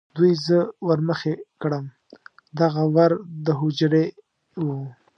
دوی زه ور مخې کړم، دغه ور د هوجرې و.